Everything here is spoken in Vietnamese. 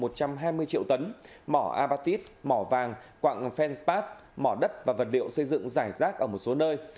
triệu tấn mỏ abatis mỏ vàng quạng fence path mỏ đất và vật liệu xây dựng giải rác ở một số nơi